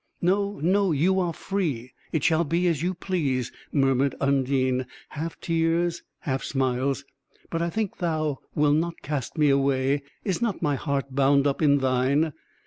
"No, no, you are free; it shall be as you please!" murmured Undine, half tears, half smiles. "But I think thou wilt not cast me away; is not my heart bound up in thine?